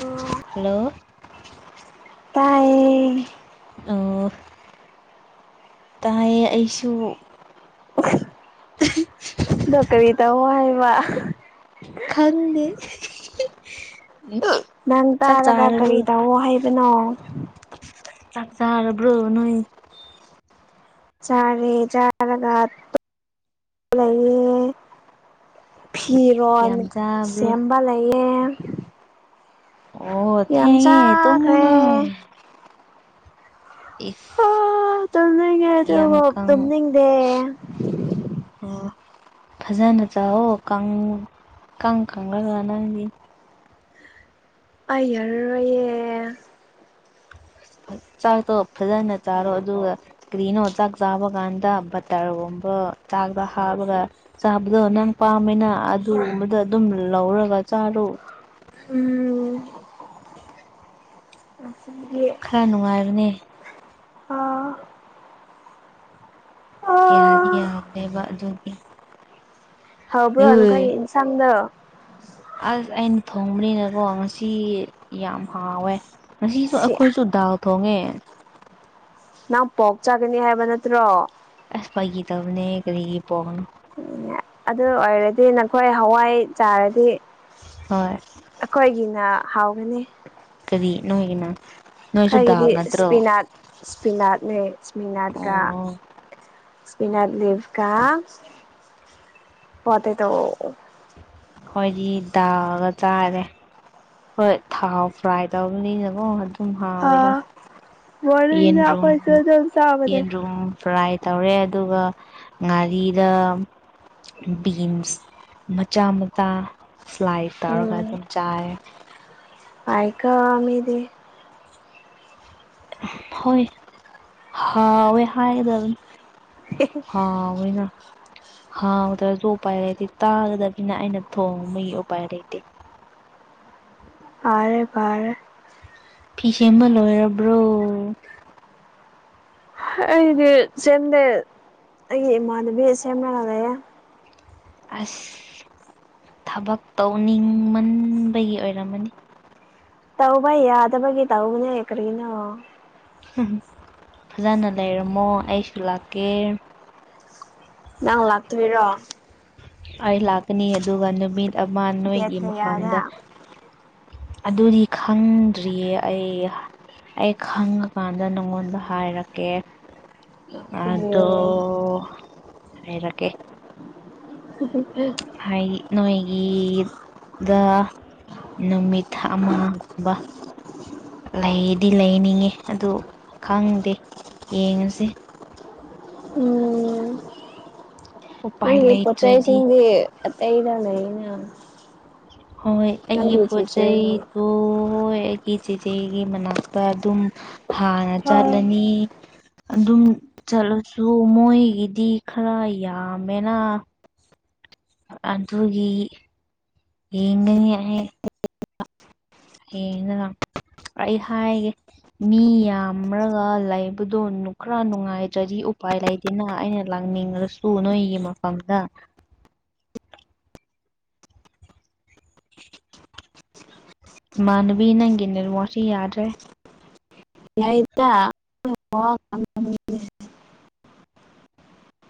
ꯑꯣ ꯍꯜꯂꯣ ꯇꯥꯏꯌꯦ ꯑꯣ ꯇꯥꯏꯌꯦ ꯑꯩꯁꯨ [unintelligible] ꯀꯔꯤ ꯇ ꯍ ꯋꯥ ꯎ ꯅꯪ ꯇꯥꯔꯒ ꯀꯔꯤ ꯇꯧꯋ ꯍꯥꯏꯕꯅꯣ ꯆꯥꯛ ꯆꯥꯔꯔꯕ꯭ꯔꯣ ꯅꯣꯏ ꯆꯥꯔꯦ ꯆꯥꯔꯒ ꯂꯩꯌꯦꯦ ꯐꯤꯔꯣꯣꯟ ꯌꯥꯝ ꯆꯥꯕ꯭ꯔꯣ ꯁꯦꯝꯕ ꯂꯩꯌꯦ ꯑꯣ ꯌꯥꯝ ꯊꯦꯡꯉꯦ ꯇꯨꯝꯃꯨ ꯆꯈ꯭ꯔꯦ ꯅꯪ ꯑ ꯏꯁ ꯇꯉ ꯑ ꯌꯥꯝ ꯀꯪ ꯇꯗꯦ ꯑꯣ ꯐꯖꯅ ꯆꯥꯍꯣ ꯀꯥꯡ ꯀꯥꯡ ꯀꯪꯉꯒ ꯅꯪꯒꯤ ꯑꯔꯌꯦꯦ [inaudible] ꯆꯥꯛꯇꯣ ꯐꯖꯅ ꯆꯥꯔꯣ ꯑꯗꯨꯒ ꯀ꯭ꯔꯤꯅꯣ ꯆꯥꯛ ꯆꯥꯕ ꯀꯥꯟꯗ ꯕꯇꯔꯒꯨꯝꯕ ꯆꯥꯛꯗ ꯍꯥꯞꯄꯒ ꯆꯥꯕꯗꯣ ꯅꯪ ꯄꯥꯝꯃꯦꯅ ꯑꯗꯨꯝꯕꯗ ꯑꯗꯨꯝ ꯂꯧꯔꯒ ꯆꯔꯨ ꯎꯝ ꯉꯁꯤꯗꯤ ꯈꯔ ꯅꯨꯡꯉꯥꯏꯕꯅꯦ ꯑꯥ ꯌꯥꯔ ꯑꯥ ꯌꯥꯔꯦꯕ ꯑꯗꯨꯗꯤ ꯍꯧꯕ꯭ꯔꯣ ꯑꯗꯨꯈꯩ ꯌꯦꯟꯁꯥꯡꯗꯣ ꯑꯁ ꯑꯩꯅ ꯊꯣꯡꯕꯅꯤꯅꯀꯣ ꯉꯁꯤ ꯌꯥꯝ ꯍꯥꯎꯋꯦ ꯉꯁꯤꯁꯨ ꯁꯤ ꯑꯩꯈꯣꯏꯁꯨ ꯗꯥꯥꯎ ꯊꯣꯡꯉꯦ ꯅꯪ ꯄꯣꯛ ꯆꯥꯒꯅꯤ ꯍꯥꯏꯕ ꯅꯠꯇ꯭ꯔꯣ ꯑꯁ ꯐꯥꯏꯒꯤ ꯇꯕꯅꯦ ꯀꯔꯤꯒꯤ ꯄꯅ ꯑꯗꯨ ꯑꯣꯏꯔꯗꯤ ꯅꯈꯣꯏ ꯍꯋꯥꯏ ꯆꯥꯔꯗꯤ ꯍꯣꯏ ꯑꯩꯈꯣꯏꯒꯤ ꯍꯥꯎꯒꯅꯤ ꯅꯣꯉꯃ ꯈꯔꯒꯤꯗꯤ ꯏꯁꯄꯤꯅꯥꯠ ꯏꯁꯄꯤꯅꯥꯠꯅꯦ ꯏꯁꯄꯤꯅꯥꯠꯀ ꯑꯣ ꯏꯁꯅꯥ ꯂ ꯂꯤꯞꯀꯥ ꯄꯠꯇꯦ ꯇꯣ ꯑꯩꯈꯣꯏꯗꯤ ꯇꯑꯒ ꯆꯥꯔꯦ ꯍꯣꯏ ꯊꯥꯎ ꯐ꯭ꯔꯥꯏ ꯇꯧꯕꯅꯤꯅꯀꯣ ꯑꯗꯨꯝ ꯍꯥꯎꯋꯦꯔ ꯑꯥ ꯌꯦꯟ ꯃꯣꯔꯅꯤꯡꯗ ꯔꯨꯝꯝ ꯑꯩꯈꯣꯏꯁꯨ ꯑꯗꯨꯝ ꯆꯥꯕꯅꯦ ꯌꯦꯟ ꯔꯨꯝꯝ ꯐ꯭ꯔꯥꯏꯠ ꯇꯧꯔꯦ ꯑꯗꯨꯒ ꯉꯥꯔꯤꯗ ꯕꯤꯟꯁ ꯃꯆꯥ ꯃꯆꯥ ꯁ꯭ꯂꯥꯏ ꯇꯧꯔꯒ ꯑꯗꯨꯝ ꯆꯥꯏꯦ ꯑꯥꯢꯀ ꯃꯤꯗꯤ ꯍꯣꯏ ꯍꯥꯎꯋꯦ ꯍꯥꯢꯒꯗꯕꯅꯦ ꯍꯥꯎꯋꯤꯅ ꯍꯥꯎꯗ꯭ꯔꯁꯨ ꯎꯄꯥꯏ ꯂꯩꯇꯦ ꯇꯥꯒꯗꯒꯤꯅ ꯑꯩꯅ ꯊꯣꯡꯕꯒꯤ ꯎꯄꯥꯏ ꯂꯩꯇꯦ [inaudible] ꯐꯥꯔꯦ ꯐꯥꯔꯦ ꯐꯤ ꯁꯝꯕ ꯂꯣꯏꯔꯕ꯭ꯔꯣ ꯑꯩꯗꯤ ꯁꯦꯝꯗꯦ ꯑꯩꯒꯤ ꯏꯃꯥꯟꯅꯕꯤ ꯁꯦꯝꯒ ꯂꯩꯌꯦ ꯑꯁ ꯊꯕꯛ ꯇꯧꯅꯤꯡꯃꯟꯕꯒꯤ ꯑꯣꯏꯔꯝꯃꯅꯤ ꯇꯧꯕ ꯌꯥꯗꯕꯒꯤ ꯇꯧꯔꯅꯦ ꯀꯔꯤꯅꯣ ꯐꯖꯅ ꯂꯩꯔꯝꯃꯣ ꯑꯩꯁꯨ ꯂꯥꯛꯀꯦ ꯅꯪ ꯂꯥꯛꯇꯣꯏꯔꯣ ꯑꯩ ꯂꯥꯛꯀꯅꯤ ꯑꯗꯨꯒ ꯅꯨꯃꯤꯠ ꯑꯃ ꯗꯦꯠ ꯅꯣꯏꯒꯤ ꯀꯌꯥꯗ ꯃꯐꯝꯗ ꯑꯗꯨꯗꯤ ꯈꯪꯗ꯭ꯔꯤꯌꯦ ꯑꯩ ꯑꯩ ꯈꯪꯉꯥꯀꯥꯟꯗ ꯅꯪꯉꯣꯟꯗ ꯍꯥꯏꯔꯛꯀꯦ ꯑꯗꯣ ꯍꯥꯏꯔꯒꯦ ꯍꯥꯏ ꯅꯣꯏ ꯒꯤꯗ ꯅꯨꯃꯤꯠ ꯑꯃꯒꯨꯝꯕ ꯂꯩꯗꯤ ꯂꯩꯅꯤꯡꯉꯦ ꯑꯗꯨ ꯈꯪꯗꯦ ꯌꯦꯡꯉꯁꯦ ꯎꯝ ꯎꯄꯥꯏ ꯅꯪꯒꯤ ꯂꯩꯇ꯭ꯔꯗꯤ ꯄꯣꯠꯆꯁꯤꯡꯗꯤ ꯑꯇꯩꯗ ꯂꯩꯅ ꯍꯣꯏ ꯑꯩꯒꯤ ꯅꯪꯒꯤ ꯄꯣꯠ ꯆꯦꯆꯦꯒꯤ ꯆꯩꯗꯨ ꯍꯣꯢ ꯑꯩꯒꯤ ꯆꯦꯆꯦꯒꯤ ꯃꯅꯥꯛꯇꯥ ꯑꯗꯨꯝ ꯍꯥꯟꯅ ꯍꯣꯏ ꯆꯠꯂꯅꯤ꯫ ꯑꯗꯨꯝ ꯆꯠꯂꯁꯨ ꯃꯣꯏꯒꯤꯗꯤ ꯈꯔ ꯌꯥꯝꯃꯦꯅꯤ ꯑꯗꯨꯒꯤ ꯌꯦꯡꯉꯅꯤ ꯑꯩ ꯍꯌꯦꯡ [unintelligible] ꯑꯩ ꯍꯥꯏꯒꯦ ꯃꯤ ꯌꯥꯝꯔꯒ ꯂꯩꯕꯗꯣ ꯈꯔ ꯅꯨꯡꯉꯥꯏꯇ꯭ꯔꯗꯤ ꯎꯄꯥꯏ ꯂꯩꯇꯦꯅ ꯑꯩꯅ ꯂꯥꯛ ꯍꯅꯤꯡꯉꯁꯨ ꯅꯣꯏꯒꯤ ꯃꯐꯝꯗꯥ [inaudible] ꯢꯃꯥꯟꯅꯕꯤ ꯅꯪꯒꯤ ꯅꯦꯠꯌꯥꯛꯁꯣ ꯌꯥꯗ꯭ꯔꯦ ꯌꯥꯏꯗ [unintelligible]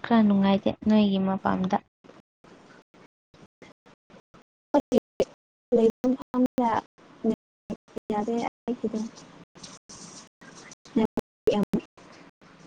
ꯈꯔ ꯅꯨꯡꯉꯥꯏꯇꯦ ꯅꯣꯏꯒꯤ ꯃꯄꯥꯝꯗꯥ꯫ [unintelligible] [unintelligible]